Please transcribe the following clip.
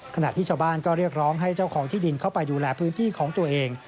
ขณะที่ชาวบ้านก็เรียกร้องให้เจ้าของที่ดินเข้าไปดูแลพื้นที่ของตัวเอง